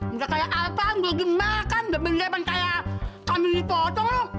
udah kayak apaan mau dimakan berbeda banget kayak kami dipotong loh